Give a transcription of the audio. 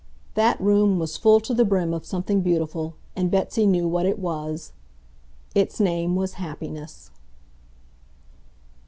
That room was full to the brim of something beautiful, and Betsy knew what it was. Its name was Happiness.